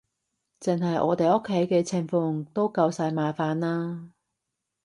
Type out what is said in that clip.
淨係我哋屋企嘅情況都夠晒麻煩喇